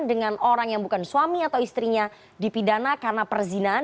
dengan orang yang bukan suami atau istrinya dipidana karena perzinaan